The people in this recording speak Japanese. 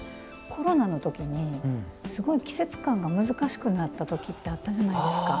コロナの時に、すごい季節感が難しくなった時ってあったじゃないですか。